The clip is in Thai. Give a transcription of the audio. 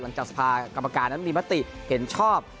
หลังจากสภากรรมการนั้นมีมติเห็นชอบ